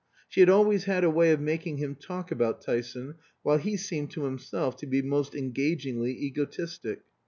She had always had a way of making him talk about Tyson, while he seemed to himself to be most engagingly egotistic.